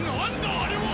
あれは。